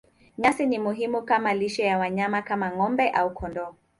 Nyasi ni muhimu kama lishe ya wanyama kama ng'ombe au kondoo.